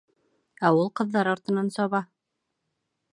Ә ул ҡыҙҙар артынан саба!